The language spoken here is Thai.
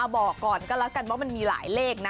บอกก่อนก็แล้วกันว่ามันมีหลายเลขนะ